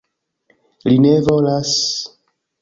Li ne volas...